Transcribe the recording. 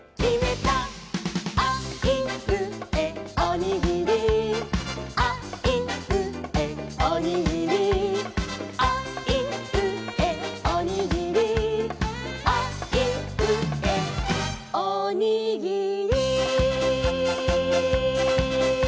「あいうえおにぎり」「あいうえおにぎり」「あいうえおにぎり」「あいうえおにぎり」